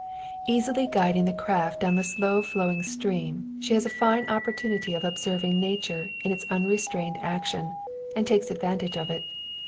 Easily guiding the craft down the slow flowing stream, she has a fine opportunity of observing Nature in its unrestrained action and takes advantage of it.